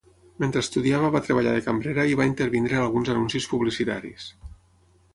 Mentre estudiava va treballar de cambrera i va intervenir en alguns anuncis publicitaris.